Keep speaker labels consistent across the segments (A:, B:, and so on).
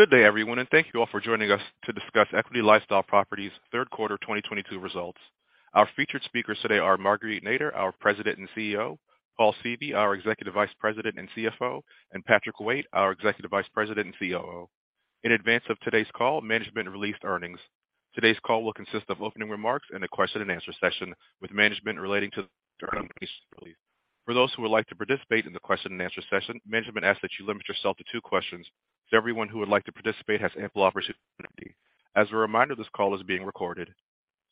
A: Good day everyone, and thank you all for joining us to discuss Equity LifeStyle Properties third quarter 2022 results. Our featured speakers today are Marguerite Nader, our president and CEO, Paul Seavey, our executive vice president and CFO, and Patrick Waite, our executive vice president and COO. In advance of today's call, management released earnings. Today's call will consist of opening remarks and a question and answer session with management relating to the earnings release. For those who would like to participate in the question and answer session, management asks that you limit yourself to two questions so everyone who would like to participate has ample opportunity. As a reminder, this call is being recorded.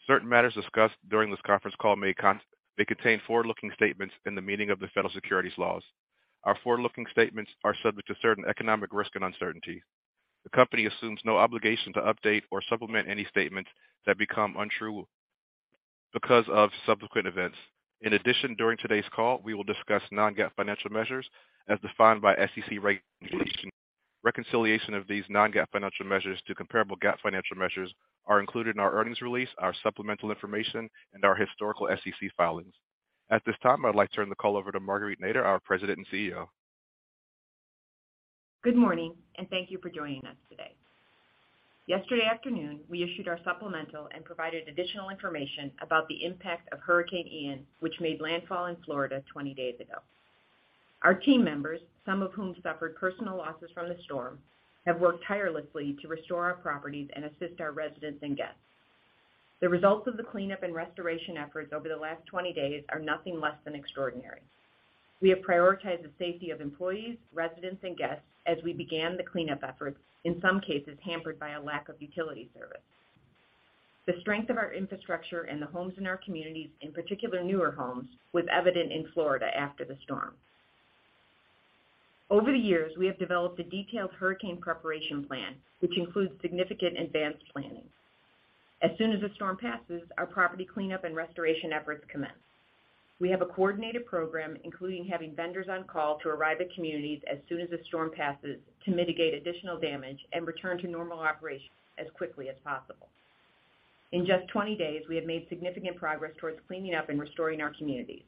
A: Certain matters discussed during this conference call may contain forward-looking statements within the meaning of the federal securities laws. Our forward-looking statements are subject to certain economic risk and uncertainty. The company assumes no obligation to update or supplement any statements that become untrue because of subsequent events. In addition, during today's call, we will discuss non-GAAP financial measures as defined by SEC regulations. Reconciliation of these non-GAAP financial measures to comparable GAAP financial measures are included in our earnings release, our supplemental information, and our historical SEC filings. At this time, I'd like to turn the call over to Marguerite Nader, our President and CEO.
B: Good morning, and thank you for joining us today. Yesterday afternoon, we issued our supplemental and provided additional information about the impact of Hurricane Ian, which made landfall in Florida 20 days ago. Our team members, some of whom suffered personal losses from the storm, have worked tirelessly to restore our properties and assist our residents and guests. The results of the cleanup and restoration efforts over the last 20 days are nothing less than extraordinary. We have prioritized the safety of employees, residents, and guests as we began the cleanup efforts, in some cases hampered by a lack of utility service. The strength of our infrastructure and the homes in our communities, in particular newer homes, was evident in Florida after the storm. Over the years, we have developed a detailed hurricane preparation plan, which includes significant advanced planning. As soon as the storm passes, our property cleanup and restoration efforts commence. We have a coordinated program, including having vendors on call to arrive at communities as soon as the storm passes to mitigate additional damage and return to normal operations as quickly as possible. In just 20 days, we have made significant progress towards cleaning up and restoring our communities.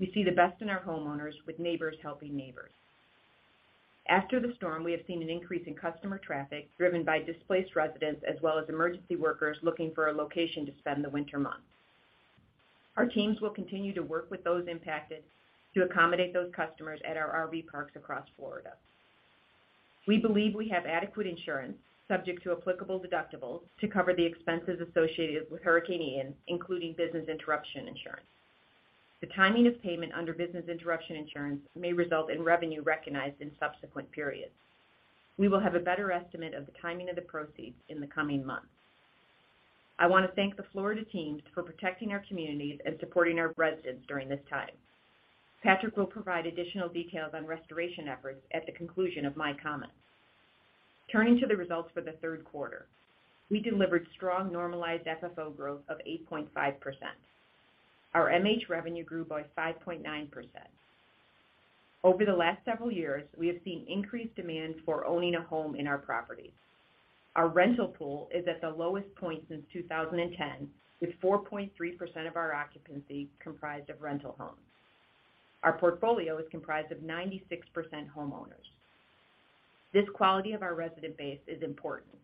B: We see the best in our homeowners with neighbors helping neighbors. After the storm, we have seen an increase in customer traffic driven by displaced residents as well as emergency workers looking for a location to spend the winter months. Our teams will continue to work with those impacted to accommodate those customers at our RV parks across Florida. We believe we have adequate insurance subject to applicable deductibles to cover the expenses associated with Hurricane Ian, including business interruption insurance. The timing of payment under business interruption insurance may result in revenue recognized in subsequent periods. We will have a better estimate of the timing of the proceeds in the coming months. I want to thank the Florida teams for protecting our communities and supporting our residents during this time. Patrick will provide additional details on restoration efforts at the conclusion of my comments. Turning to the results for the third quarter. We delivered strong normalized FFO growth of 8.5%. Our MH revenue grew by 5.9%. Over the last several years, we have seen increased demand for owning a home in our properties. Our rental pool is at the lowest point since 2010, with 4.3% of our occupancy comprised of rental homes. Our portfolio is comprised of 96% homeowners. This quality of our resident base is important.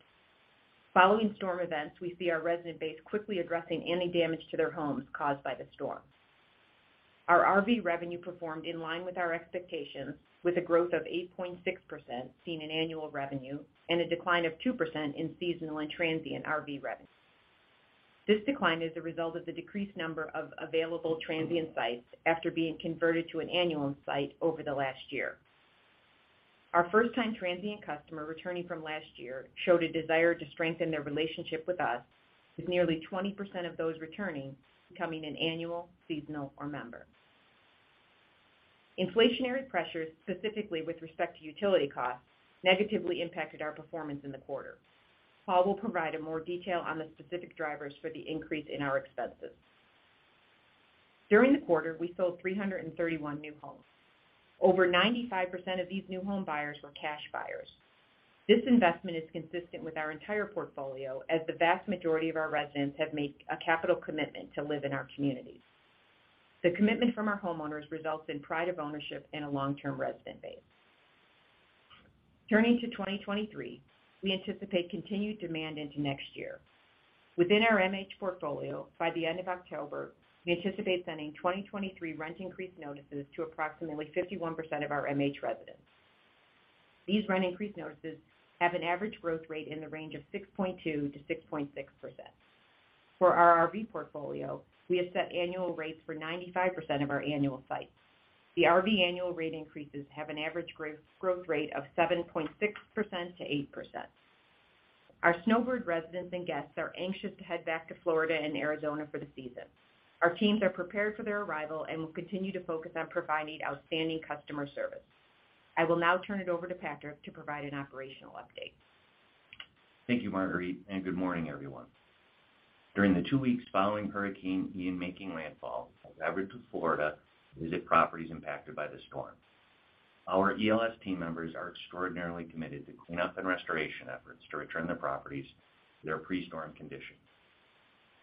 B: Following storm events, we see our resident base quickly addressing any damage to their homes caused by the storm. Our RV revenue performed in line with our expectations, with a growth of 8.6% seen in annual revenue and a decline of 2% in seasonal and transient RV revenue. This decline is a result of the decreased number of available transient sites after being converted to an annual site over the last year. Our first-time transient customer returning from last year showed a desire to strengthen their relationship with us, with nearly 20% of those returning becoming an annual, seasonal, or member. Inflationary pressures, specifically with respect to utility costs, negatively impacted our performance in the quarter. Paul will provide a more detail on the specific drivers for the increase in our expenses. During the quarter, we sold 331 new homes. Over 95% of these new home buyers were cash buyers. This investment is consistent with our entire portfolio as the vast majority of our residents have made a capital commitment to live in our communities. The commitment from our homeowners results in pride of ownership in a long-term resident base. Turning to 2023, we anticipate continued demand into next year. Within our MH portfolio, by the end of October, we anticipate sending 2023 rent increase notices to approximately 51% of our MH residents. These rent increase notices have an average growth rate in the range of 6.2%-6.6%. For our RV portfolio, we have set annual rates for 95% of our annual sites. The RV annual rate increases have an average growth rate of 7.6%-8%. Our snowbird residents and guests are anxious to head back to Florida and Arizona for the season. Our teams are prepared for their arrival and will continue to focus on providing outstanding customer service. I will now turn it over to Patrick to provide an operational update.
C: Thank you, Marguerite, and good morning, everyone. During the two weeks following Hurricane Ian making landfall, I traveled to Florida to visit properties impacted by the storm. Our ELS team members are extraordinarily committed to cleanup and restoration efforts to return the properties to their pre-storm conditions.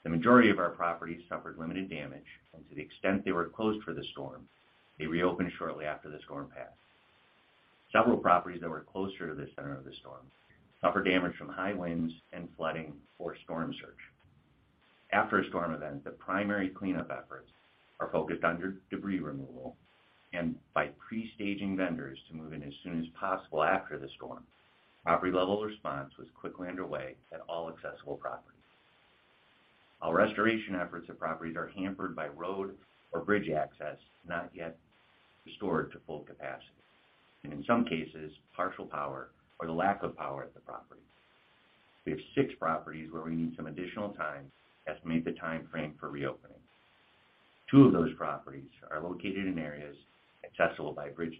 C: The majority of our properties suffered limited damage, and to the extent they were closed for the storm, they reopened shortly after the storm passed. Several properties that were closer to the center of the storm suffered damage from high winds and flooding or storm surge. After a storm event, the primary cleanup efforts are focused on debris removal, and by pre-staging vendors to move in as soon as possible after the storm, property level response was quickly underway at all accessible properties. Our restoration efforts at properties are hampered by road or bridge access not yet restored to full capacity, and in some cases, partial power or the lack of power at the property. We have six properties where we need some additional time to estimate the time frame for reopening. Two of those properties are located in areas accessible by bridges.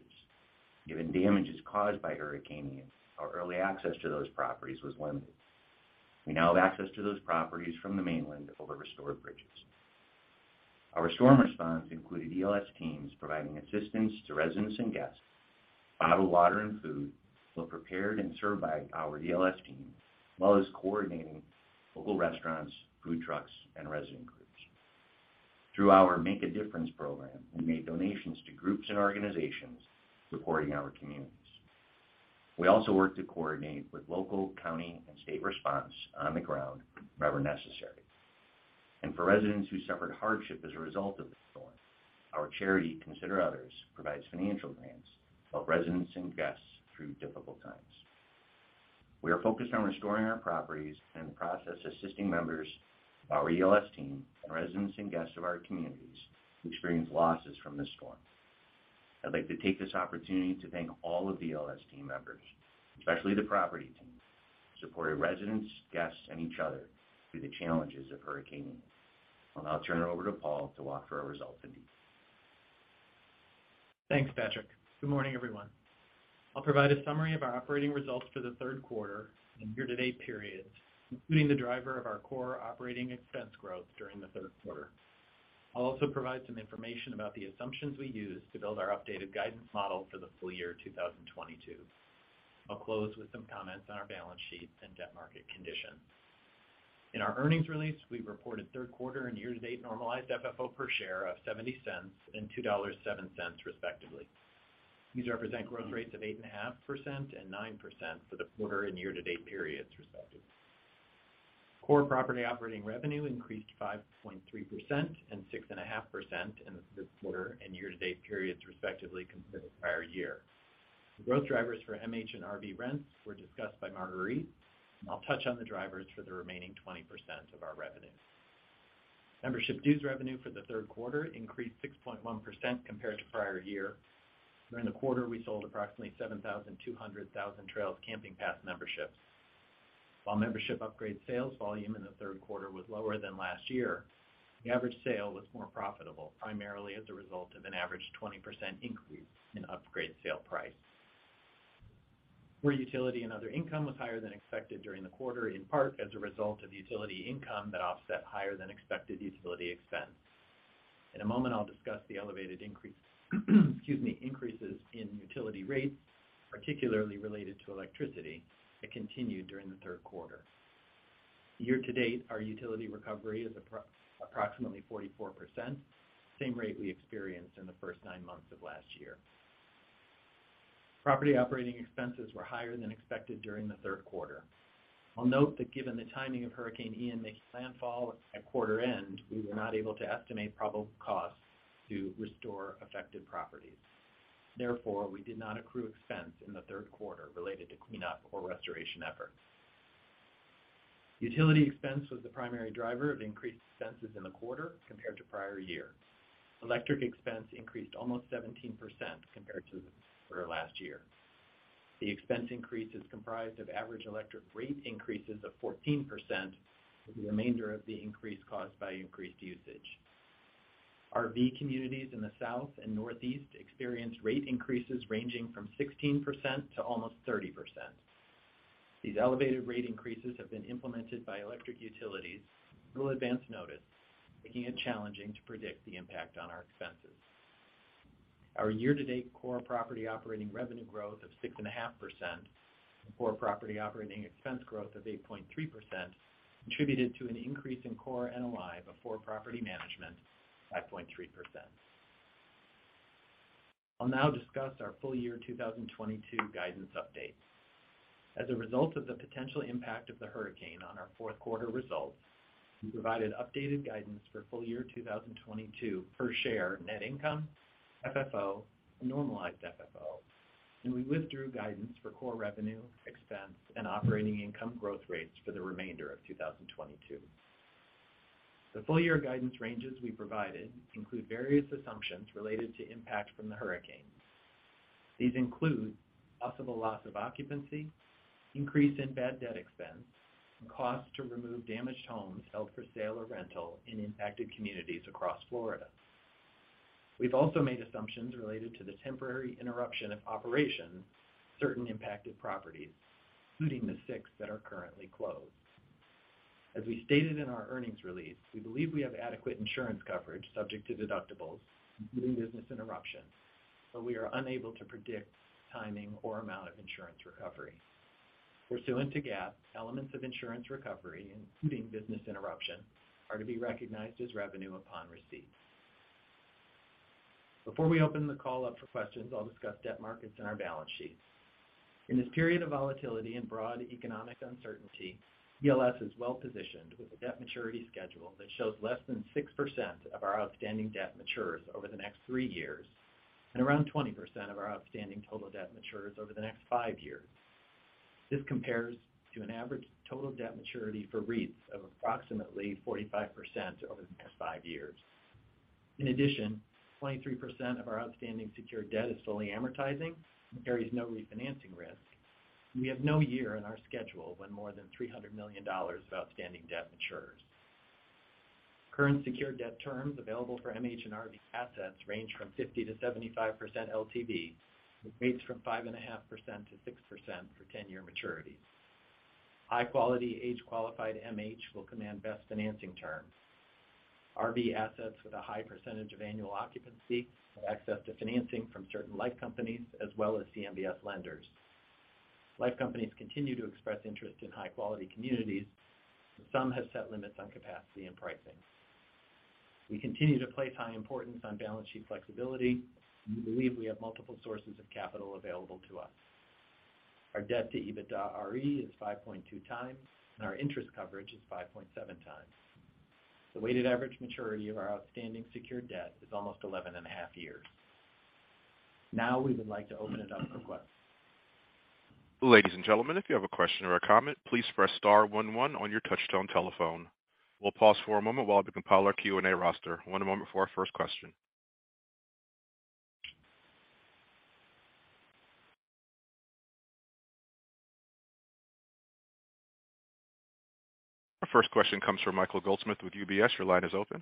C: Given damages caused by Hurricane Ian, our early access to those properties was limited. We now have access to those properties from the mainland over restored bridges. Our storm response included ELS teams providing assistance to residents and guests, bottled water and food were prepared and served by our ELS team, as well as coordinating local restaurants, food trucks, and resident groups. Through our Making a Difference program, we made donations to groups and organizations supporting our communities. We also worked to coordinate with local, county, and state response on the ground wherever necessary. For residents who suffered hardship as a result of the storm, our charity, Consider Others, provides financial grants to help residents and guests through difficult times. We are focused on restoring our properties and in the process assisting members of our ELS team and residents and guests of our communities who experienced losses from this storm. I'd like to take this opportunity to thank all of the ELS team members, especially the property teams, who supported residents, guests, and each other through the challenges of Hurricane Ian. I'll now turn it over to Paul to walk through our results in detail.
D: Thanks, Patrick. Good morning, everyone. I'll provide a summary of our operating results for the third quarter and year-to-date period, including the driver of our core operating expense growth during the third quarter. I'll also provide some information about the assumptions we used to build our updated guidance model for the full year 2022. I'll close with some comments on our balance sheet and debt market conditions. In our earnings release, we reported third quarter and year-to-date normalized FFO per share of $0.70 and $2.07, respectively. These represent growth rates of 8.5% and 9% for the quarter and year-to-date periods, respectively. Core property operating revenue increased 5.3% and 6.5% in the third quarter and year-to-date periods, respectively, compared to prior year. The growth drivers for MH and RV rents were discussed by Marguerite, and I'll touch on the drivers for the remaining 20% of our revenue. Membership dues revenue for the third quarter increased 6.1% compared to prior year. During the quarter, we sold approximately 7,200 Thousand Trails camping pass memberships. While membership upgrade sales volume in the third quarter was lower than last year, the average sale was more profitable, primarily as a result of an average 20% increase in upgrade sale price. Core utility and other income was higher than expected during the quarter, in part as a result of utility income that offset higher than expected utility expense. In a moment, I'll discuss the elevated increase, excuse me, increases in utility rates, particularly related to electricity, that continued during the third quarter. Year to date, our utility recovery is approximately 44%, same rate we experienced in the first nine months of last year. Property operating expenses were higher than expected during the third quarter. I'll note that given the timing of Hurricane Ian making landfall at quarter end, we were not able to estimate probable costs to restore affected properties. Therefore, we did not accrue expense in the third quarter related to cleanup or restoration efforts. Utility expense was the primary driver of increased expenses in the quarter compared to prior year. Electric expense increased almost 17% compared to the quarter last year. The expense increase is comprised of average electric rate increases of 14%, with the remainder of the increase caused by increased usage. RV communities in the South and Northeast experienced rate increases ranging from 16% to almost 30%. These elevated rate increases have been implemented by electric utilities with little advance notice, making it challenging to predict the impact on our expenses. Our year-to-date core property operating revenue growth of 6.5% and core property operating expense growth of 8.3% contributed to an increase in core NOI before property management of 5.3%. I'll now discuss our full year 2022 guidance update. As a result of the potential impact of the hurricane on our fourth quarter results, we provided updated guidance for full year 2022 per share net income, FFO, and normalized FFO, and we withdrew guidance for core revenue, expense, and operating income growth rates for the remainder of 2022. The full year guidance ranges we provided include various assumptions related to impact from the hurricane. These include possible loss of occupancy, increase in bad debt expense, and costs to remove damaged homes held for sale or rental in impacted communities across Florida. We've also made assumptions related to the temporary interruption of operations at certain impacted properties, including the six that are currently closed. As we stated in our earnings release, we believe we have adequate insurance coverage subject to deductibles, including business interruption, but we are unable to predict timing or amount of insurance recovery. Pursuant to GAAP, elements of insurance recovery, including business interruption, are to be recognized as revenue upon receipt. Before we open the call up for questions, I'll discuss debt markets and our balance sheets. In this period of volatility and broad economic uncertainty, ELS is well-positioned with a debt maturity schedule that shows less than 6% of our outstanding debt matures over the next three years and around 20% of our outstanding total debt matures over the next five years. This compares to an average total debt maturity for REITs of approximately 45% over the next five years. In addition, 23% of our outstanding secured debt is fully amortizing and carries no refinancing risk. We have no year in our schedule when more than $300 million of outstanding debt matures. Current secured debt terms available for MH & RV assets range from 50%-75% LTV, with rates from 5.5%-6% for 10-year maturities. High quality age-qualified MH will command best financing terms. RV assets with a high percentage of annual occupancy have access to financing from certain life companies as well as CMBS lenders. Life companies continue to express interest in high quality communities, and some have set limits on capacity and pricing. We continue to place high importance on balance sheet flexibility. We believe we have multiple sources of capital available to us. Our debt to EBITDAre is 5.2x, and our interest coverage is 5.7x. The weighted average maturity of our outstanding secured debt is almost 11.5 years. Now we would like to open it up for questions.
A: Ladies and gentlemen, if you have a question or a comment, please press star one one on your touchtone telephone. We'll pause for a moment while we compile our Q&A roster. One moment for our first question. Our first question comes from Michael Goldsmith with UBS. Your line is open.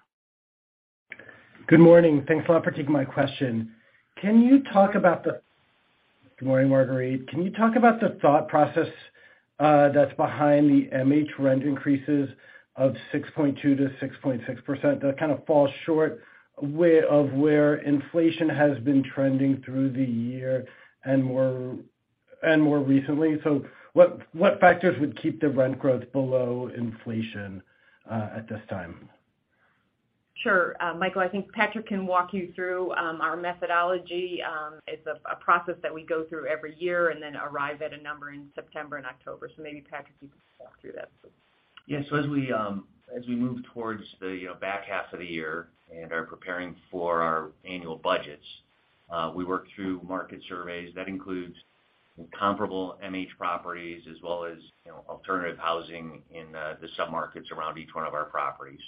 E: Good morning. Thanks a lot for taking my question. Good morning, Marguerite. Can you talk about the thought process that's behind the MH rent increases of 6.2%-6.6%? That kind of falls short of where inflation has been trending through the year and more recently. What factors would keep the rent growth below inflation at this time?
B: Sure. Michael, I think Patrick can walk you through our methodology. It's a process that we go through every year and then arrive at a number in September and October. Maybe Patrick, you can walk through that please.
C: Yes. As we move towards the, you know, back half of the year and are preparing for our annual budgets, we work through market surveys. That includes comparable MH properties as well as, you know, alternative housing in the submarkets around each one of our properties.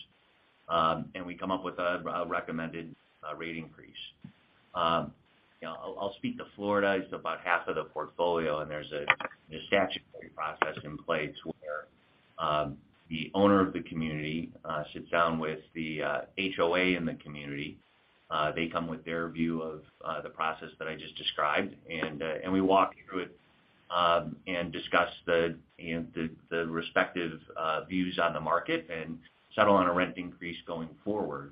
C: We come up with a recommended rate increase. You know, I'll speak to Florida. It's about half of the portfolio, and there's a statutory process in place where the owner of the community sits down with the HOA in the community. They come with their view of the process that I just described, and we walk through it and discuss the, you know, the respective views on the market and settle on a rent increase going forward.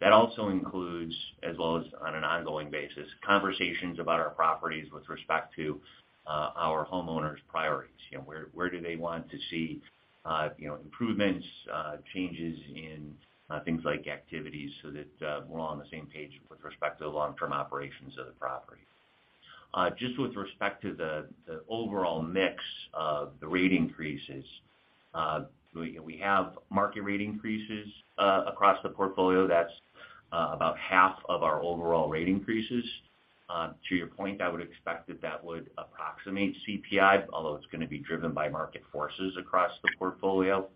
C: That also includes, as well as on an ongoing basis, conversations about our properties with respect to our homeowners' priorities. You know, where do they want to see you know, improvements, changes in things like activities so that we're all on the same page with respect to the long-term operations of the property. Just with respect to the overall mix of the rate increases, we have market rate increases across the portfolio. That's about half of our overall rate increases. To your point, I would expect that would approximate CPI, although it's gonna be driven by market forces across the portfolio.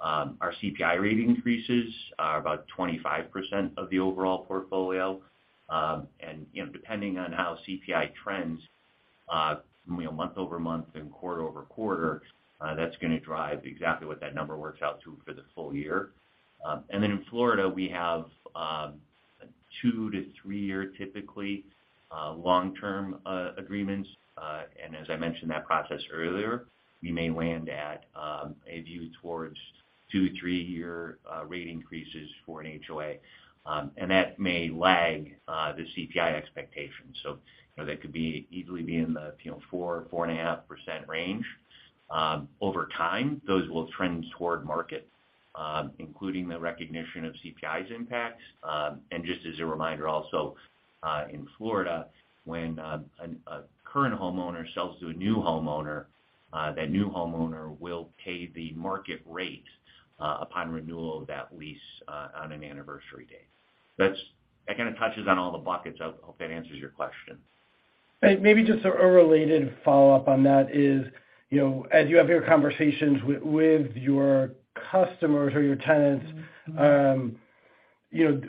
C: Our CPI rate increases are about 25% of the overall portfolio. Depending on how CPI trends, you know, month-over-month and quarter-over-quarter, that's gonna drive exactly what that number works out to for the full year. In Florida, we have two to three-year, typically, long-term agreements. As I mentioned that process earlier, we may land at a view towards two to three-year rate increases for an HOA. That may lag the CPI expectations. You know, that could easily be in the 4-4.5% range. Over time, those will trend toward market, including the recognition of CPI's impacts. Just as a reminder also, in Florida, when a current homeowner sells to a new homeowner, that new homeowner will pay the market rate upon renewal of that lease on an anniversary date. That kind of touches on all the buckets. I hope that answers your question.
E: Maybe just a related follow-up on that is, you know, as you have your conversations with your customers or your tenants, you know,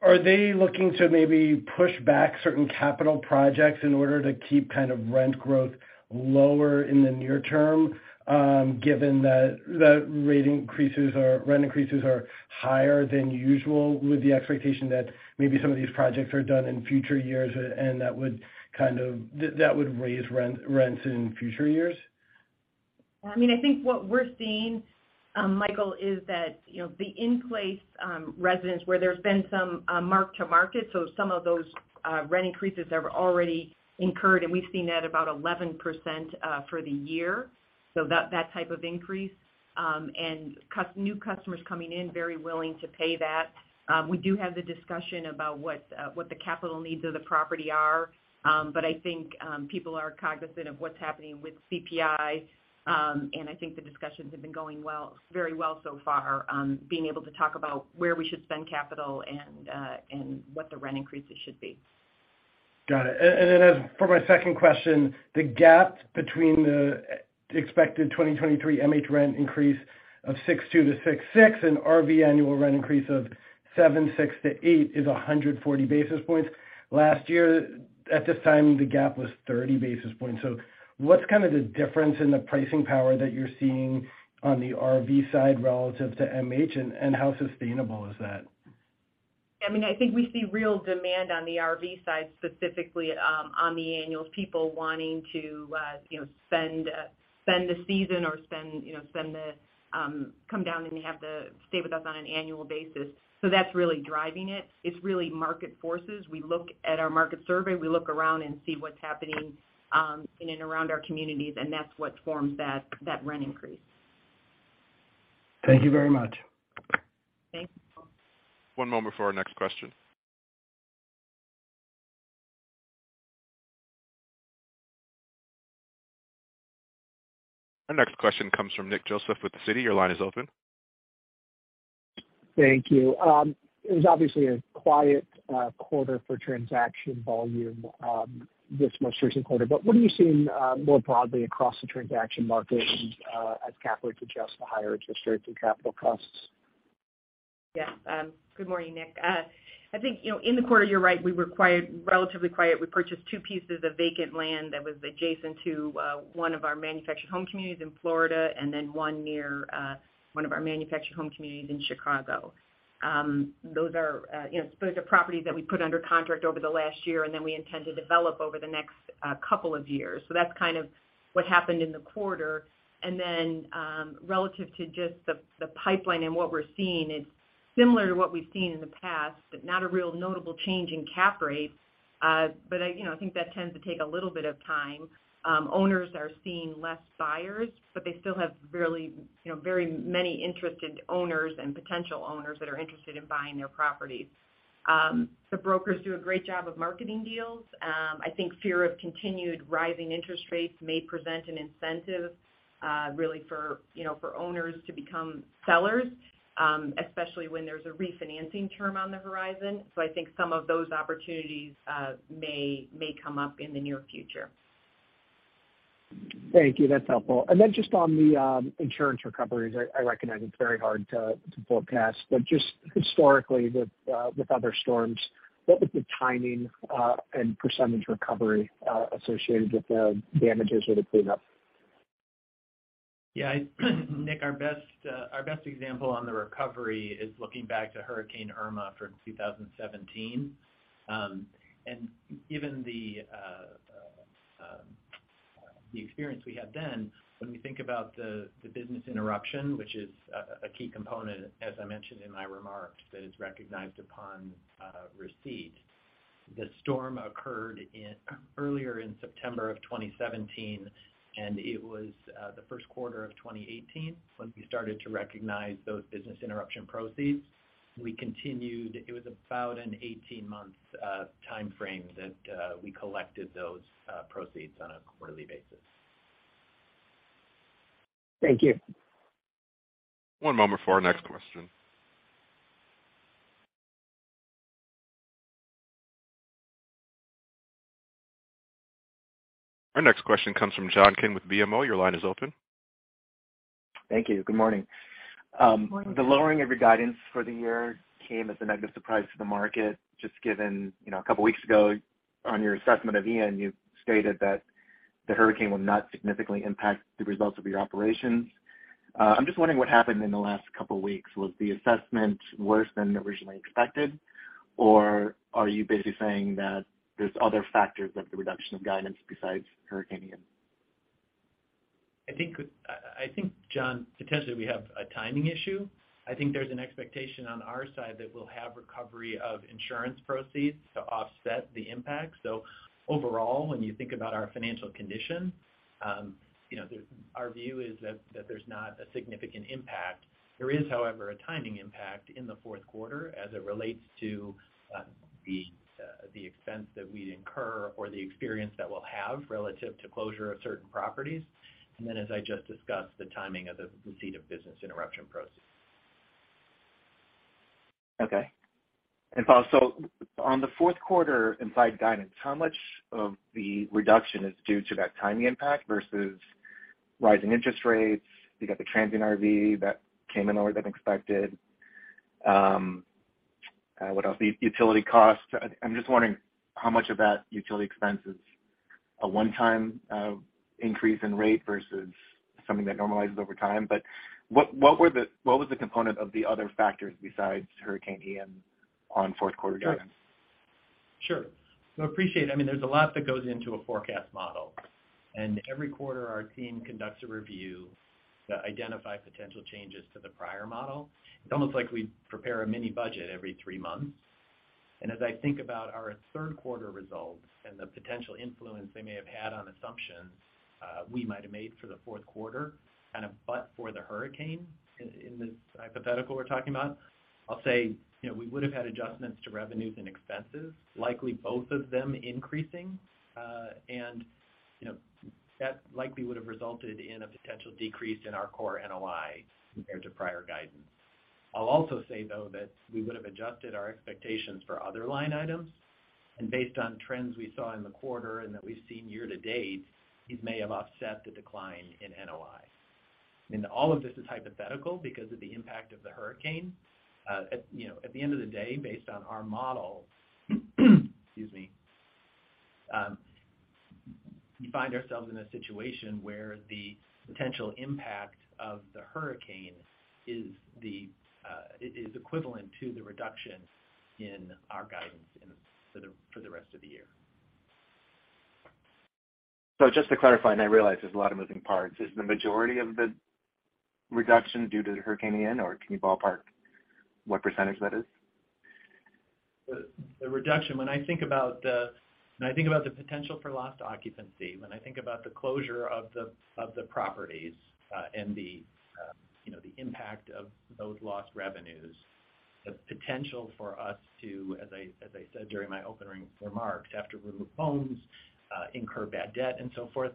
E: are they looking to maybe push back certain capital projects in order to keep kind of rent growth lower in the near term, given that the rent increases are higher than usual with the expectation that maybe some of these projects are done in future years, and that would raise rent in future years?
B: I mean, I think what we're seeing, Michael, is that, you know, the in-place residents where there's been some mark-to-market, so some of those rent increases have already incurred, and we've seen that about 11% for the year. That type of increase. New customers coming in very willing to pay that. We do have the discussion about what the capital needs of the property are. I think people are cognizant of what's happening with CPI. I think the discussions have been going well, very well so far, being able to talk about where we should spend capital and what the rent increases should be.
E: Got it. As for my second question, the gap between the expected 2023 MH rent increase of 6.2%-6.6% and RV annual rent increase of 7.6%-8% is 140 basis points. Last year, at this time, the gap was 30 basis points. What's kind of the difference in the pricing power that you're seeing on the RV side relative to MH, and how sustainable is that?
B: I mean, I think we see real demand on the RV side, specifically, on the annuals. People wanting to, you know, spend the season or, you know, come down and have the stay with us on an annual basis. That's really driving it. It's really market forces. We look at our market survey, we look around and see what's happening in and around our communities, and that's what forms that rent increase.
E: Thank you very much.
B: Thanks.
A: One moment for our next question. Our next question comes from Nick Joseph with Citi. Your line is open.
F: Thank you. It was obviously a quiet quarter for transaction volume, this most recent quarter. What are you seeing more broadly across the transaction market and as cap rates adjust to higher interest rates and capital costs?
B: Yeah. Good morning, Nick. I think, you know, in the quarter, you're right. We were relatively quiet. We purchased two pieces of vacant land that was adjacent to one of our manufactured home communities in Florida and then one near one of our manufactured home communities in Chicago. Those are, you know, those are properties that we put under contract over the last year, and then we intend to develop over the next couple of years. So that's kind of what happened in the quarter. Relative to just the pipeline and what we're seeing, it's similar to what we've seen in the past, but not a real notable change in cap rates. I, you know, I think that tends to take a little bit of time. Owners are seeing less buyers, but they still have really, you know, very many interested owners and potential owners that are interested in buying their properties. The brokers do a great job of marketing deals. I think fear of continued rising interest rates may present an incentive, really for, you know, for owners to become sellers, especially when there's a refinancing term on the horizon. I think some of those opportunities may come up in the near future.
F: Thank you. That's helpful. Just on the insurance recoveries, I recognize it's very hard to forecast, but just historically with other storms, what was the timing and percentage recovery associated with the damages or the cleanup?
D: Yeah. Nick, our best example on the recovery is looking back to Hurricane Irma from 2017. Given the experience we had then, when we think about the business interruption, which is a key component, as I mentioned in my remarks, that is recognized upon receipt. The storm occurred earlier in September of 2017, and it was the first quarter of 2018 when we started to recognize those business interruption proceeds. We continued. It was about an 18-month timeframe that we collected those proceeds on a quarterly basis.
F: Thank you.
A: One moment for our next question. Our next question comes from John Kim with BMO. Your line is open.
G: Thank you. Good morning.
B: Good morning.
E: The lowering of your guidance for the year came as a negative surprise to the market. Just given, you know, a couple weeks ago on your assessment of Hurricane Ian, you stated that the hurricane will not significantly impact the results of your operations. I'm just wondering what happened in the last couple weeks. Was the assessment worse than originally expected, or are you basically saying that there's other factors of the reduction of guidance besides Hurricane Ian?
D: I think, John, potentially we have a timing issue. I think there's an expectation on our side that we'll have recovery of insurance proceeds to offset the impact. Overall, when you think about our financial condition, you know, our view is that there's not a significant impact. There is, however, a timing impact in the fourth quarter as it relates to the expense that we'd incur or the experience that we'll have relative to closure of certain properties. Then as I just discussed, the timing of the receipt of business interruption proceeds.
G: Okay. Follow-up. On the fourth quarter and guidance, how much of the reduction is due to that timing impact versus rising interest rates? You got the transient RV that came in lower than expected. What else? The utility costs. I'm just wondering how much of that utility expense is a one-time increase in rate versus something that normalizes over time. What was the component of the other factors besides Hurricane Ian on fourth quarter guidance?
D: Sure. Appreciate, I mean, there's a lot that goes into a forecast model, and every quarter our team conducts a review that identifies potential changes to the prior model. It's almost like we prepare a mini budget every three months. As I think about our third quarter results and the potential influence they may have had on assumptions we might have made for the fourth quarter, kind of but for the hurricane in this hypothetical we're talking about, I'll say, you know, we would have had adjustments to revenues and expenses, likely both of them increasing. You know, that likely would have resulted in a potential decrease in our core NOI compared to prior guidance. I'll also say, though, that we would have adjusted our expectations for other line items. Based on trends we saw in the quarter and that we've seen year to date, it may have offset the decline in NOI. All of this is hypothetical because of the impact of the hurricane. You know, at the end of the day, based on our model, we find ourselves in a situation where the potential impact of the hurricane is equivalent to the reduction in our guidance for the rest of the year.
G: Just to clarify, and I realize there's a lot of moving parts, is the majority of the reduction due to Hurricane Ian, or can you ballpark what percentage that is?
D: The reduction. When I think about the potential for lost occupancy, when I think about the closure of the properties, you know, the impact of those lost revenues, the potential for us to, as I said during my opening remarks, have to remove homes, incur bad debt, and so forth,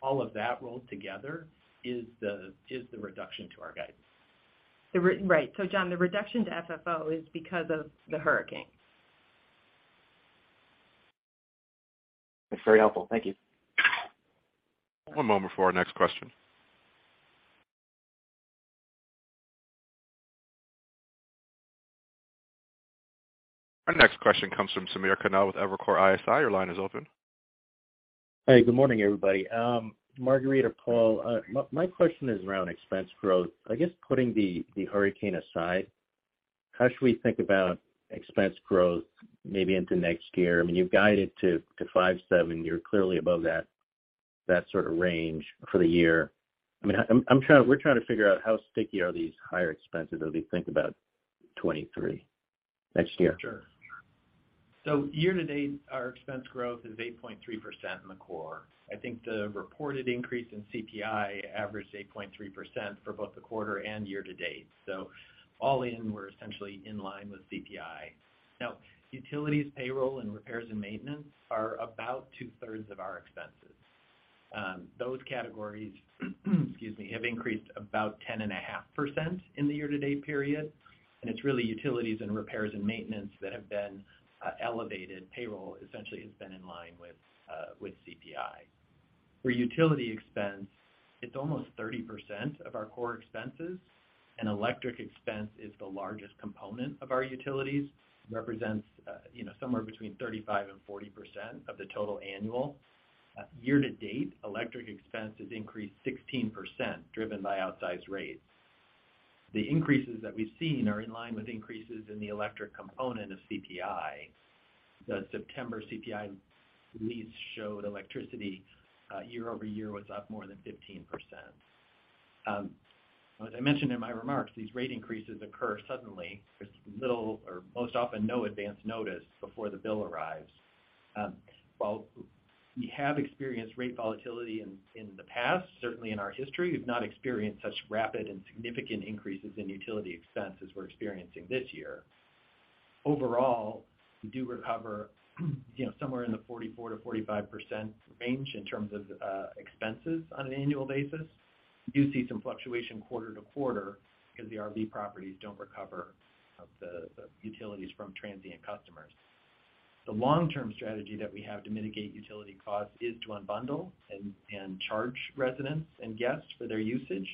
D: all of that rolled together is the reduction to our guidance.
B: Right. John, the reduction to FFO is because of the hurricane.
G: That's very helpful. Thank you.
A: One moment before our next question. Our next question comes from Samir Khanal with Evercore ISI. Your line is open.
H: Hey, good morning, everybody. Marguerite or Paul, my question is around expense growth. I guess putting the hurricane aside, how should we think about expense growth maybe into next year? I mean, you've guided to 5%-7%. You're clearly above that sort of range for the year. I mean, we're trying to figure out how sticky are these higher expenses as we think about 2023 next year.
D: Sure. Year-to-date, our expense growth is 8.3% in the core. I think the reported increase in CPI averaged 8.3% for both the quarter and year-to-date. All in, we're essentially in line with CPI. Now, utilities, payroll, and repairs and maintenance are about two-thirds of our expenses. Those categories have increased about 10.5% in the year-to-date period, and it's really utilities and repairs and maintenance that have been elevated. Payroll essentially has been in line with CPI. For utility expense, it's almost 30% of our core expenses, and electric expense is the largest component of our utilities. Represents you know, somewhere between 35% and 40% of the total annual. Year-to-date, electric expense has increased 16%, driven by outsized rates. The increases that we've seen are in line with increases in the electric component of CPI. The September CPI release showed electricity year-over-year was up more than 15%. As I mentioned in my remarks, these rate increases occur suddenly. There's little or most often no advance notice before the bill arrives. While we have experienced rate volatility in the past, certainly in our history, we've not experienced such rapid and significant increases in utility expense as we're experiencing this year. Overall, we do recover, you know, somewhere in the 44%-45% range in terms of expenses on an annual basis. You do see some fluctuation quarter-to-quarter because the RV properties don't recover the utilities from transient customers. The long-term strategy that we have to mitigate utility costs is to unbundle and charge residents and guests for their usage,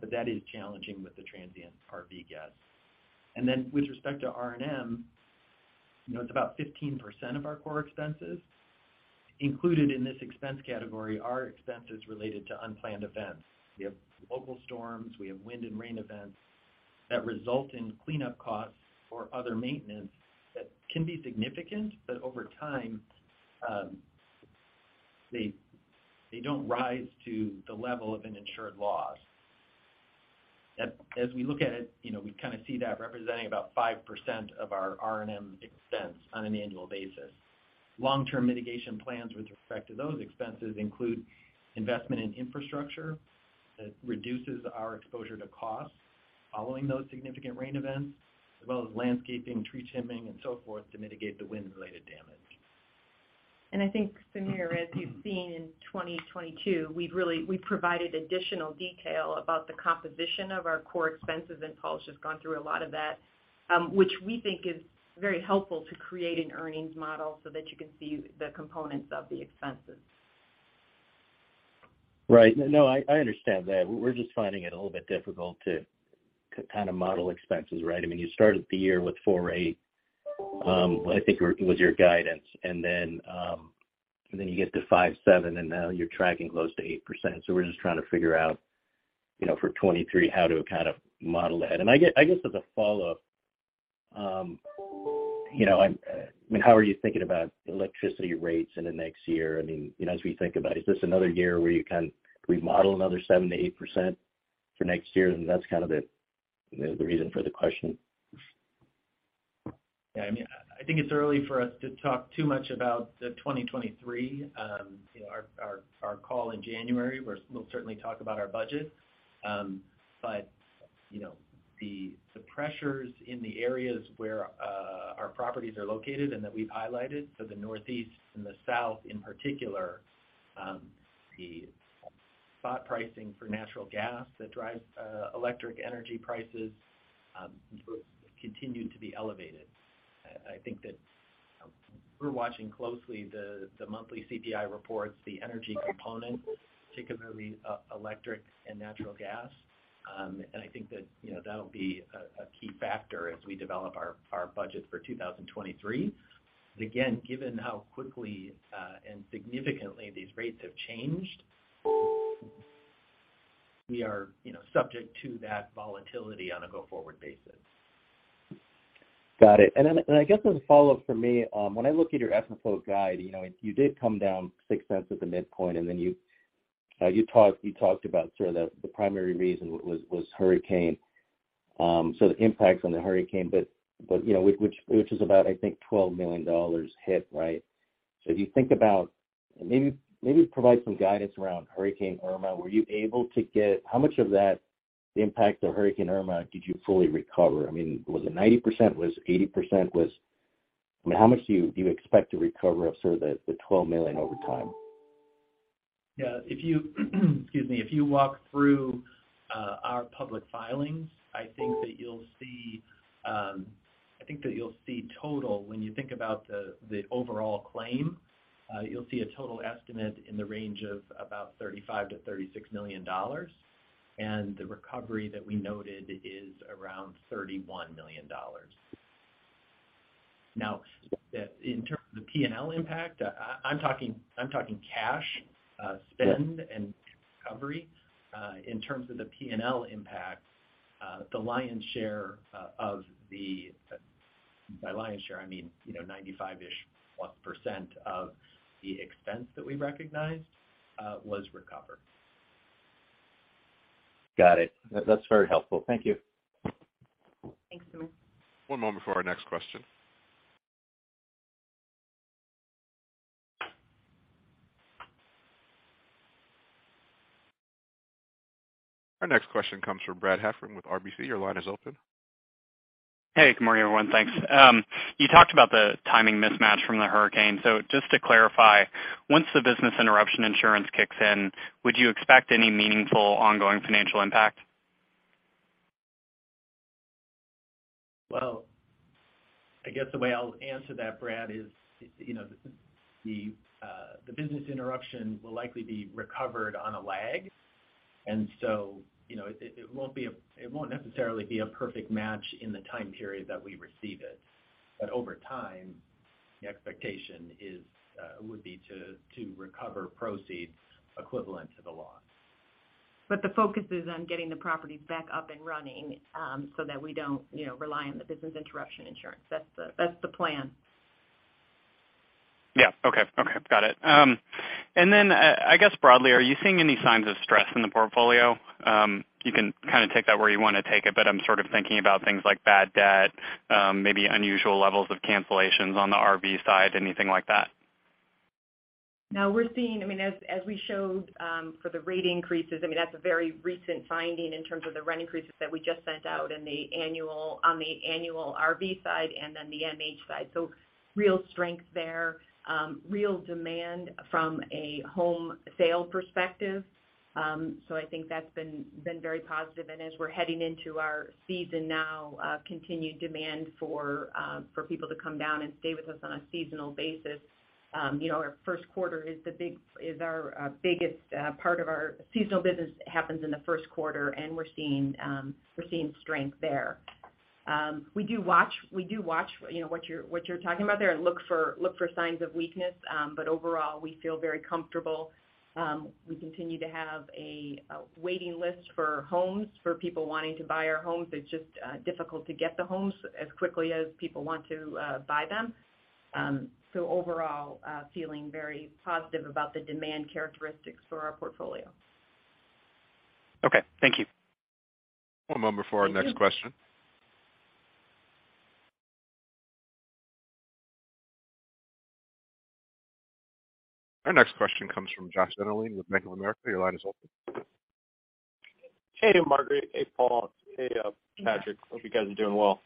D: but that is challenging with the transient RV guests. With respect to R&M, you know, it's about 15% of our core expenses. Included in this expense category are expenses related to unplanned events. We have local storms, we have wind and rain events that result in cleanup costs or other maintenance that can be significant, but over time, they don't rise to the level of an insured loss. As we look at it, you know, we kind of see that representing about 5% of our R&M expense on an annual basis. Long-term mitigation plans with respect to those expenses include investment in infrastructure that reduces our exposure to costs following those significant rain events, as well as landscaping, tree trimming, and so forth to mitigate the wind-related damage.
B: I think, Samir, as you've seen in 2022, we've really provided additional detail about the composition of our core expenses, and Paul's just gone through a lot of that, which we think is very helpful to create an earnings model so that you can see the components of the expenses.
H: Right. No, I understand that. We're just finding it a little bit difficult to kind of model expenses, right? I mean, you started the year with 4.8%, I think was your guidance. You get to 5.7%, and now you're tracking close to 8%. We're just trying to figure out, you know, for 2023, how to kind of model that. I guess as a follow-up, you know, I mean, how are you thinking about electricity rates in the next year? I mean, you know, as we think about it, is this another year where you kind of model another 7%-8% for next year? That's kind of the, you know, the reason for the question.
D: Yeah. I mean, I think it's early for us to talk too much about 2023. You know, our call in January, we'll certainly talk about our budget. You know, the pressures in the areas where our properties are located and that we've highlighted, so the Northeast and the South in particular, the spot pricing for natural gas that drives electric energy prices continue to be elevated. I think that we're watching closely the monthly CPI reports, the energy component, particularly electric and natural gas. I think that, you know, that'll be a key factor as we develop our budget for 2023. Again, given how quickly and significantly these rates have changed, we are, you know, subject to that volatility on a go-forward basis.
H: Got it. I guess as a follow-up for me, when I look at your FFO guide, you know, you did come down $0.06 at the midpoint, and then you talked about sort of the primary reason was hurricane. So the impacts of the hurricane, but you know, which is about, I think, $12 million hit, right? So if you think about, maybe provide some guidance around Hurricane Irma. Were you able to get, how much of that impact of Hurricane Irma did you fully recover? I mean, was it 90%? Was it 80%? Was, I mean, how much do you do expect to recover of sort of the $12 million over time?
D: Yeah. If you walk through our public filings, I think that you'll see total. When you think about the overall claim, you'll see a total estimate in the range of about $35 million-$36 million. The recovery that we noted is around $31 million. Now, in terms of the P&L impact, I'm talking cash spend and recovery. In terms of the P&L impact, the lion's share. By lion's share, I mean, you know, 95%-ish+ % of the expense that we recognized was recovered.
H: Got it. That's very helpful. Thank you.
B: Thanks, Samir.
A: One moment for our next question. Our next question comes from Brad Heffern with RBC. Your line is open.
I: Hey, good morning, everyone. Thanks. You talked about the timing mismatch from the hurricane. Just to clarify, once the business interruption insurance kicks in, would you expect any meaningful ongoing financial impact?
D: Well, I guess the way I'll answer that, Brad, is, you know, the business interruption will likely be recovered on a lag. You know, it won't necessarily be a perfect match in the time period that we receive it. Over time, the expectation is would be to recover proceeds equivalent to the loss.
B: The focus is on getting the properties back up and running, so that we don't, you know, rely on the business interruption insurance. That's the plan.
I: Yeah. Okay. Okay. Got it. I guess broadly, are you seeing any signs of stress in the portfolio? You can kind of take that where you wanna take it, but I'm sort of thinking about things like bad debt, maybe unusual levels of cancellations on the RV side, anything like that.
B: No, we're seeing. I mean, as we showed, for the rate increases, I mean, that's a very recent finding in terms of the rent increases that we just sent out on the annual RV side and then the MH side. Real strength there, real demand from a home sale perspective. I think that's been very positive. As we're heading into our season now, continued demand for people to come down and stay with us on a seasonal basis. You know, our first quarter is our biggest part of our seasonal business happens in the first quarter, and we're seeing strength there. We do watch, you know, what you're talking about there and look for signs of weakness. Overall, we feel very comfortable. We continue to have a waiting list for homes, for people wanting to buy our homes. It's just difficult to get the homes as quickly as people want to buy them. Overall, feeling very positive about the demand characteristics for our portfolio.
I: Okay, thank you.
A: One moment before our next question.
B: Thank you.
A: Our next question comes from Joshua Dennerlein with Bank of America. Your line is open.
J: Hey, Marguerite Nader. Hey, Paul Seavey. Hey, Patrick Waite. Hope you guys are doing well.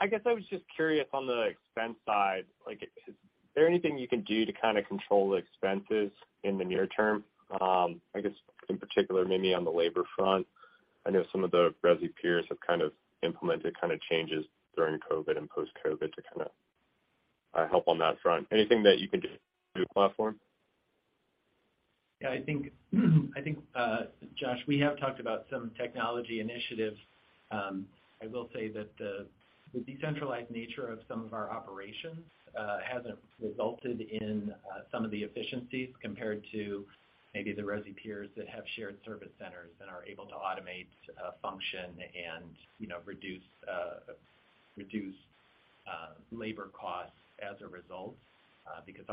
J: I guess I was just curious on the expense side, like, is there anything you can do to kind of control the expenses in the near term? I guess in particular, maybe on the labor front. I know some of the resi peers have kind of implemented kind of changes during COVID and post-COVID to kind of help on that front. Anything that you can do to the platform?
D: Yeah. I think, Josh, we have talked about some technology initiatives. I will say that the decentralized nature of some of our operations hasn't resulted in some of the efficiencies compared to maybe the resi peers that have shared service centers and are able to automate function and, you know, reduce labor costs as a result, because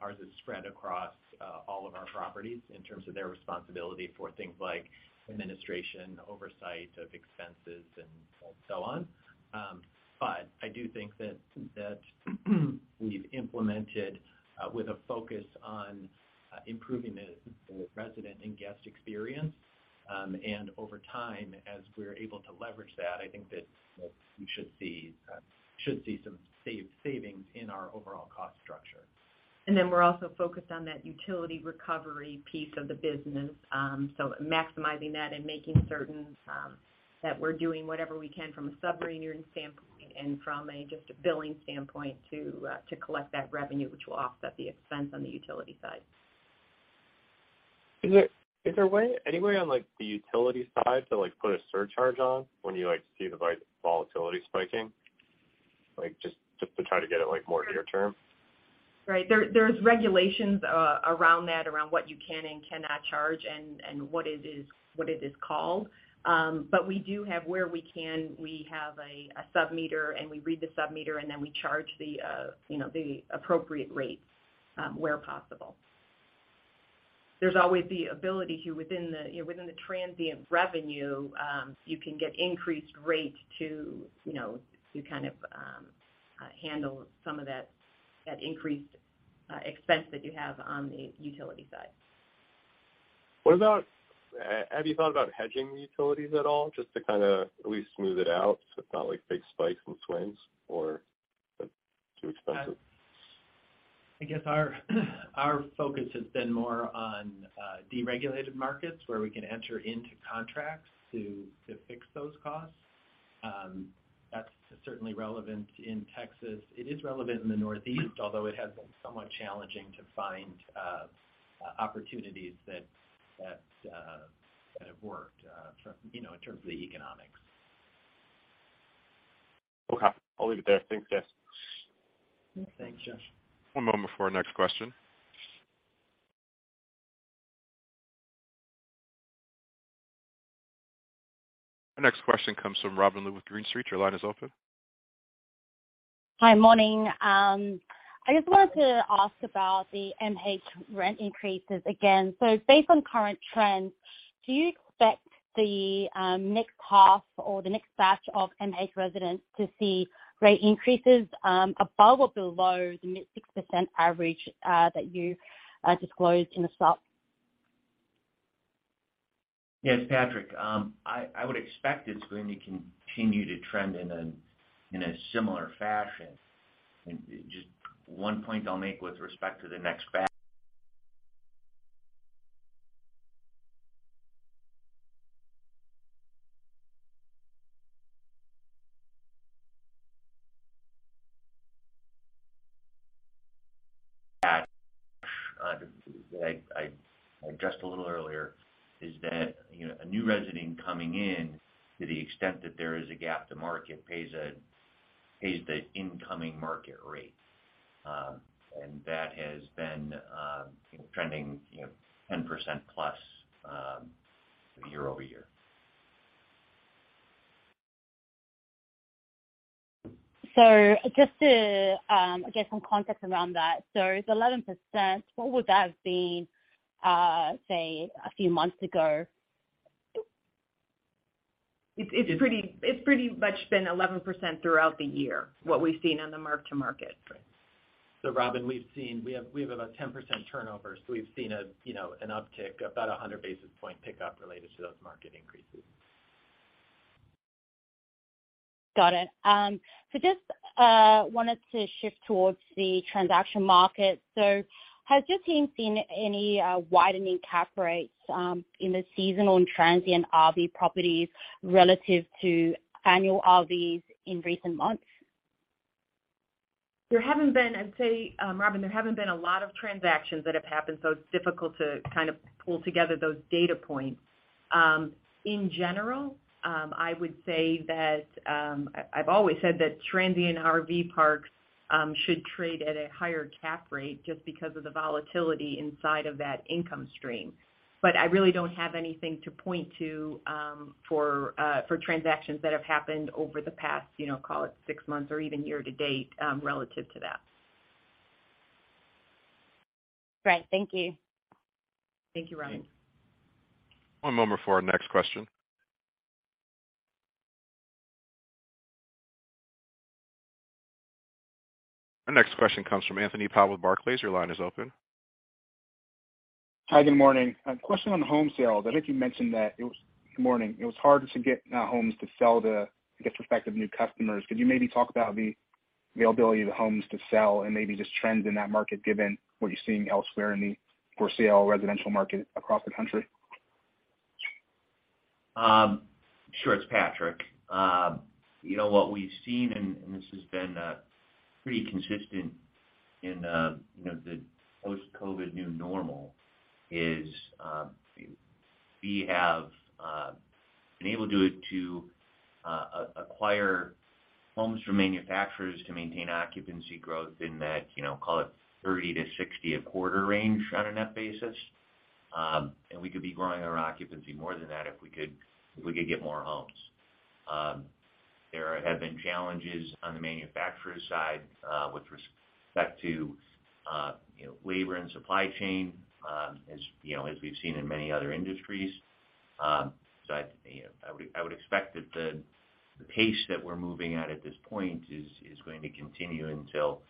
D: ours is spread across all of our properties in terms of their responsibility for things like administration, oversight of expenses, and so on. I do think that we've implemented with a focus on improving the resident and guest experience. Over time, as we're able to leverage that, I think that we should see some savings in our overall cost structure.
B: We're also focused on that utility recovery piece of the business. Maximizing that and making certain that we're doing whatever we can from a submetering standpoint and from a just a billing standpoint to collect that revenue, which will offset the expense on the utility side.
J: Is there any way on, like, the utility side to, like, put a surcharge on when you, like, see the volatility spiking? Like, just to try to get it, like, more near term.
B: Right. There's regulations around that, around what you can and cannot charge and what it is called. We do have where we can a submeter, and we read the submeter, and then we charge you know the appropriate rate where possible. There's always the ability to within the you know the transient revenue you can get increased rate to you know to kind of handle some of that increased expense that you have on the utility side.
J: What about have you thought about hedging the utilities at all, just to kinda at least smooth it out so it's not like big spikes and swings, or too expensive?
D: I guess our focus has been more on deregulated markets where we can enter into contracts to fix those costs. That's certainly relevant in Texas. It is relevant in the Northeast, although it has been somewhat challenging to find opportunities that have worked, you know, in terms of the economics.
J: Okay. I'll leave it there. Thanks, guys.
B: Okay.
D: Thanks, Josh.
A: One moment for our next question. Our next question comes from Robin Lu with Green Street. Your line is open.
K: Hi. Morning. I just wanted to ask about the MH rent increases again. Based on current trends, do you expect the next half or the next batch of MH residents to see rate increases above or below the mid-6% average that you disclosed in the slot?
D: Yes, Patrick. I would expect it's going to continue to trend in a similar fashion. Just one point I'll make with respect to the next batch. That I addressed a little earlier is that, you know, a new resident coming in, to the extent that there is a gap to market, pays the incoming market rate. That has been, you know, trending, you know, 10%+, year-over-year.
K: Just to get some context around that. The 11%, what would that have been, say, a few months ago?
B: It's pretty much been 11% throughout the year, what we've seen on the mark to market.
D: Robin, we've seen we have about 10% turnover. We've seen a, you know, an uptick, about 100 basis point pickup related to those market increases.
K: Got it. Just wanted to shift towards the transaction market. Has your team seen any widening cap rates in the seasonal and transient RV properties relative to annual RVs in recent months?
B: Robin, there haven't been a lot of transactions that have happened, so it's difficult to kind of pull together those data points. In general, I would say that I've always said that transient RV parks should trade at a higher cap rate just because of the volatility inside of that income stream. I really don't have anything to point to for transactions that have happened over the past, you know, call it six months or even year to date, relative to that.
K: Great. Thank you.
B: Thank you, Robin.
D: Thanks.
A: One moment for our next question. Our next question comes from Anthony Powell with Barclays. Your line is open.
L: Hi, good morning. A question on home sales. I think you mentioned that it was hard to get homes to sell to get prospective new customers. Could you maybe talk about the availability of the homes to sell and maybe just trends in that market given what you're seeing elsewhere in the for sale residential market across the country?
C: Sure. It's Patrick. You know, what we've seen, and this has been pretty consistent in the post-COVID new normal, is we have been able to acquire homes from manufacturers to maintain occupancy growth in that, you know, call it 30-60 a quarter range on a net basis. We could be growing our occupancy more than that if we could get more homes. There have been challenges on the manufacturer side with respect to labor and supply chain as we've seen in many other industries. You know, I would expect that the pace that we're moving at this point is going to continue until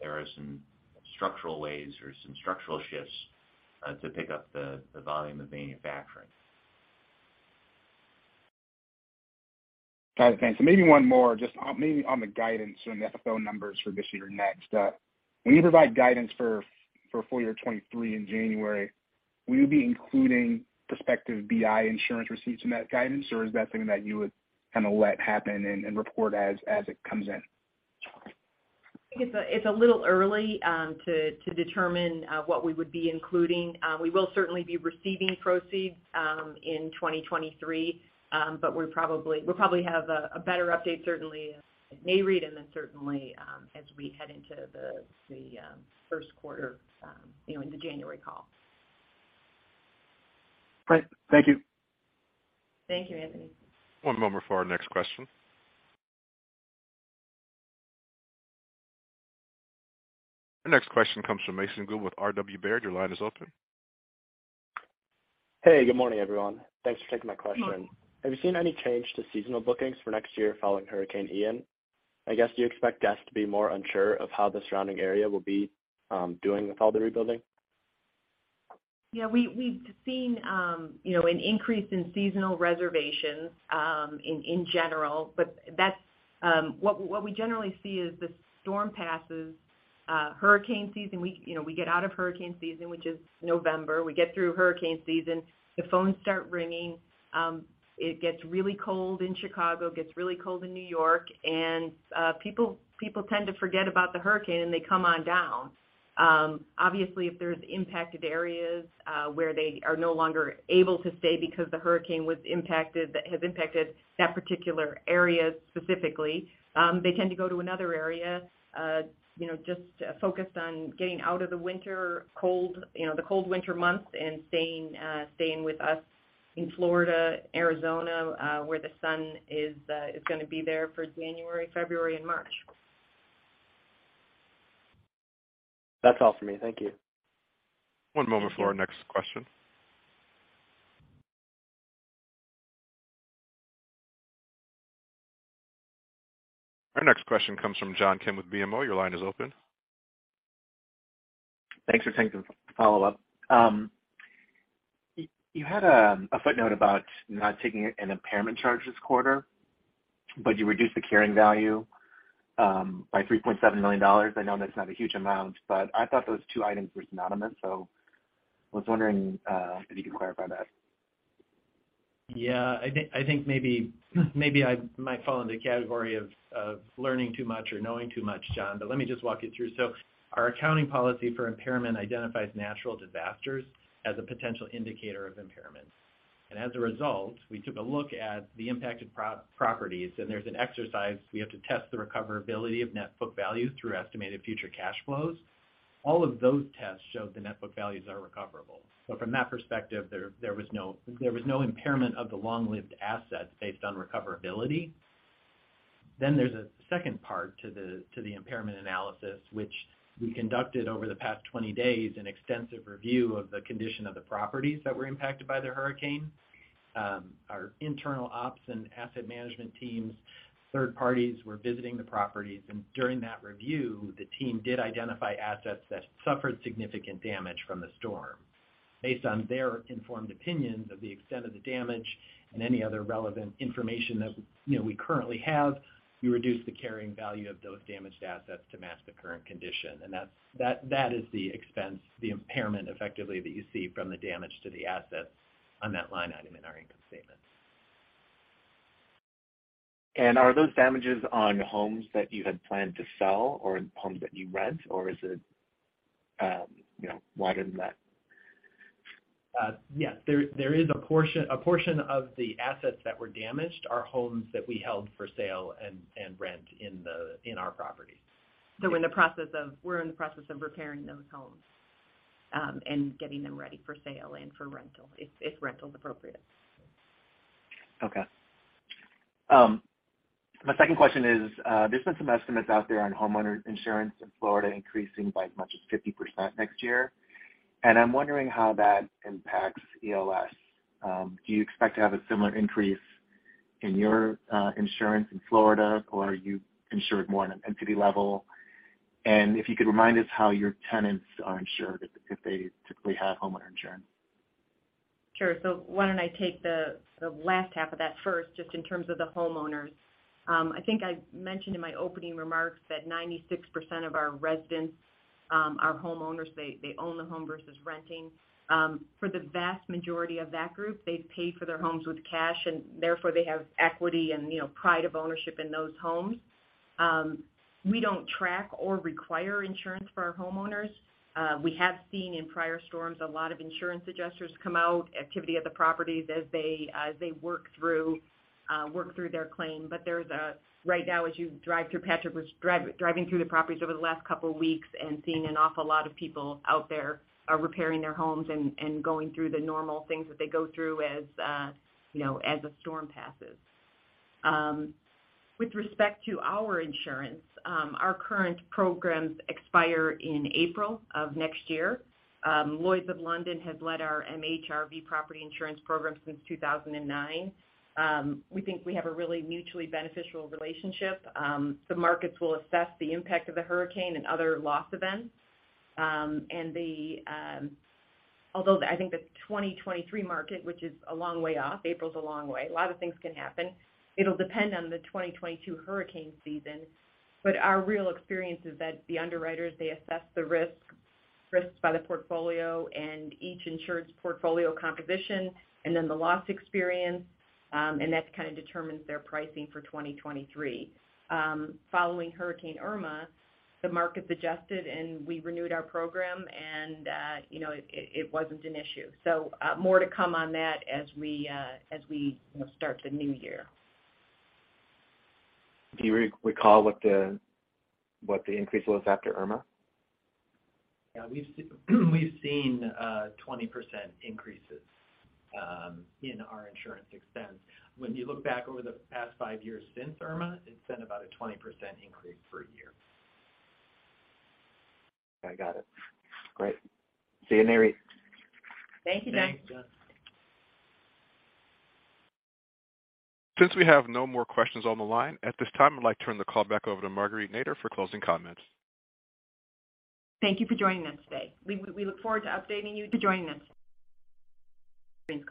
C: there are some structural ways or some structural shifts to pick up the volume of manufacturing.
L: Got it. Thanks. Maybe one more on the guidance and the FFO numbers for this year next. When you provide guidance for full year 2023 in January, will you be including prospective BI insurance receipts in that guidance, or is that something that you would kinda let happen and report as it comes in?
B: I think it's a little early to determine what we would be including. We will certainly be receiving proceeds in 2023. We'll probably have a better update certainly at May read, and then certainly, as we head into the first quarter, you know, in the January call.
L: Great. Thank you.
B: Thank you, Anthony.
A: One moment for our next question. Our next question comes from Mason Gould with R.W. Baird. Your line is open.
M: Hey, good morning, everyone. Thanks for taking my question.
B: Good morning.
M: Have you seen any change to seasonal bookings for next year following Hurricane Ian? I guess, do you expect guests to be more unsure of how the surrounding area will be, doing with all the rebuilding?
B: Yeah. We've seen, you know, an increase in seasonal reservations, in general. That's what we generally see as the storm passes, hurricane season. We get out of hurricane season, which is November. We get through hurricane season, the phones start ringing. It gets really cold in Chicago. It gets really cold in New York, and people tend to forget about the hurricane, and they come on down. Obviously, if there's impacted areas, where they are no longer able to stay because the hurricane was impacted, that has impacted that particular area specifically, they tend to go to another area, you know, just focused on getting out of the winter cold, you know, the cold winter months and staying with us in Florida, Arizona, where the sun is gonna be there for January, February and March.
M: That's all for me. Thank you.
A: One moment for our next question. Our next question comes from John Kim with BMO. Your line is open.
G: Thanks for taking the follow-up. You had a footnote about not taking an impairment charge this quarter, but you reduced the carrying value by $3.7 million. I know that's not a huge amount, but I thought those two items were synonymous, so I was wondering if you could clarify that?
D: Yeah. I think maybe I might fall into the category of learning too much or knowing too much, John, but let me just walk you through. Our accounting policy for impairment identifies natural disasters as a potential indicator of impairment. As a result, we took a look at the impacted properties, and there's an exercise. We have to test the recoverability of net book values through estimated future cash flows. All of those tests showed the net book values are recoverable. From that perspective, there was no impairment of the long-lived assets based on recoverability. There's a second part to the impairment analysis which we conducted over the past 20 days, an extensive review of the condition of the properties that were impacted by the hurricane. Our internal ops and asset management teams, third parties were visiting the properties, and during that review, the team did identify assets that suffered significant damage from the storm. Based on their informed opinions of the extent of the damage and any other relevant information that, you know, we currently have, we reduced the carrying value of those damaged assets to match the current condition. That's the expense, the impairment effectively that you see from the damage to the assets on that line item in our income statement.
G: Are those damages on homes that you had planned to sell, or homes that you rent, or is it, you know, wider than that?
D: Yes. There is a portion of the assets that were damaged are homes that we held for sale and rent in our properties.
B: We're in the process of repairing those homes, and getting them ready for sale and for rental if rental is appropriate.
G: Okay. My second question is, there's been some estimates out there on homeowner insurance in Florida increasing by as much as 50% next year, and I'm wondering how that impacts ELS. Do you expect to have a similar increase in your insurance in Florida, or are you insured more on an entity level? And if you could remind us how your tenants are insured if they typically have homeowner insurance.
B: Sure. Why don't I take the last half of that first, just in terms of the homeowners. I think I mentioned in my opening remarks that 96% of our residents, our homeowners, they own the home versus renting. For the vast majority of that group, they've paid for their homes with cash and therefore they have equity and, you know, pride of ownership in those homes. We don't track or require insurance for our homeowners. We have seen in prior storms, a lot of insurance adjusters come out, activity at the properties as they work through their claim. But there's a. Right now, as you drive through Patrick Beach, driving through the properties over the last couple weeks and seeing an awful lot of people out there, repairing their homes and going through the normal things that they go through as you know, as a storm passes. With respect to our insurance, our current programs expire in April of next year. Lloyd's of London has led our MHRV property insurance program since 2009. We think we have a really mutually beneficial relationship. The markets will assess the impact of the hurricane and other loss events. Although I think the 2023 market, which is a long way off, April is a long way, a lot of things can happen. It'll depend on the 2022 hurricane season. Our real experience is that the underwriters, they assess the risks by the portfolio and each insurance portfolio composition and then the loss experience, and that kind of determines their pricing for 2023. Following Hurricane Irma, the markets adjusted and we renewed our program and, you know, it wasn't an issue. More to come on that as we, as we, you know, start the new year.
G: Do you recall what the increase was after Irma?
D: Yeah, we've seen 20% increases in our insurance expense. When you look back over the past five years since Irma, it's been about a 20% increase per year.
G: I got it. Great. See you, NAREIT.
B: Thank you, John.
D: Thanks, John.
A: Since we have no more questions on the line, at this time, I'd like to turn the call back over to Marguerite Nader for closing comments.
B: Thank you for joining us today. We look forward to updating you. Take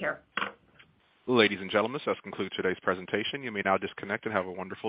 B: care.
A: Ladies and gentlemen, this does conclude today's presentation. You may now disconnect and have a wonderful day.